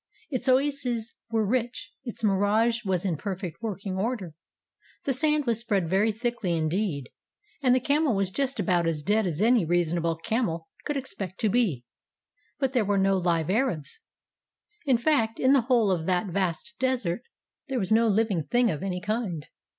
Its oases were rich; its mirage was in perfect working order; the sand was spread very thickly indeed; and the camel was just about as dead as any reasonable camel could expect to be ; but there were no live Arabs. In fact, in the whole of that vast desert there was no living thing of any kind.